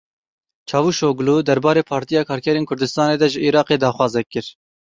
Çavuşoglu derbarê Partiya Karkerên Kurdistanê de ji Iraqê daxwazek kir.